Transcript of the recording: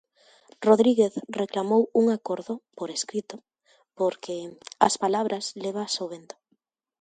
Rodríguez reclamou un acordo "por escrito" porque "as palabras lévaas o vento".